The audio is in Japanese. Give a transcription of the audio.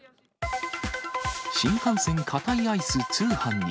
新幹線カタイアイス通販に。